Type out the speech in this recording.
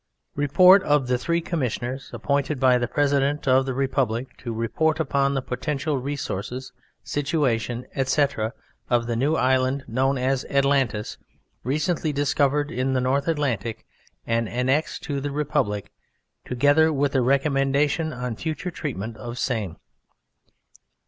REPORT OF THE THREE COMMISSIONERS APPOINTED BY THE PRESIDENT OF THE REPUBLIC TO REPORT UPON THE POTENTIAL RESOURCES, SITUATION, ETC., OF THE NEW ISLAND KNOWN AS "ATLANTIS," RECENTLY DISCOVERED IN THE NORTH ATLANTIC AND ANNEXED TO THE REPUBLIC, TOGETHER WITH A RECOMMENDATION ON FUTURE TREATMENT OF SAME.